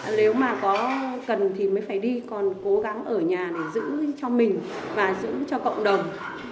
nếu mà có cần thì mới phải đi còn cố gắng ở nhà để giữ cho mình và giữ cho cộng đồng